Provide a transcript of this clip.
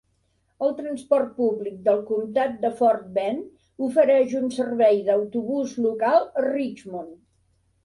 El transport públic del comtat de Fort Bend ofereix un servei d'autobús local a Richmond.